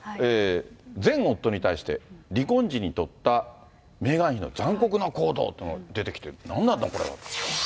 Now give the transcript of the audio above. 前夫に対して、離婚時に取ったメーガン妃の残酷な行動というのが出てきて、何なんだ、これは。